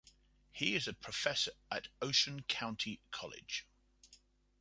He is a Professor at Ocean County College.